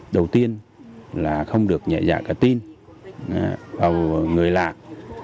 đầu tiên là không được nhảy giả cả tin vào người lạc